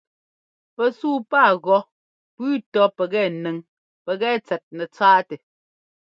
Pɛsúu pá gɔ́ pʉ́ʉ tɔ́ pɛkɛ nʉŋ pɛkɛ tsɛt nɛtsáatɛ.